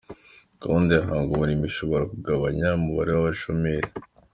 Gahunda ya Hanga Umurimo ishobora kuzagabanye umubare w’abashomeri